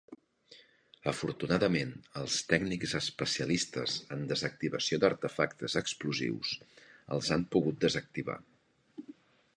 Afortunadament, els tècnics especialistes en desactivació d'artefactes explosius els han pogut desactivar.